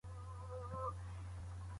زه خو د هيچا څخه ګيله نه کوم .